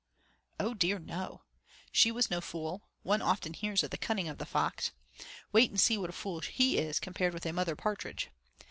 Oh, dear no! She was no fool. One often hears of the cunning of the fox. Wait and see what a fool he is compared with a mother partridge.